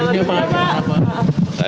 jangan lupa pak